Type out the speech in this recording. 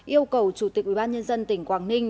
yêu cầu chủ tịch ubnd tỉnh quảng ninh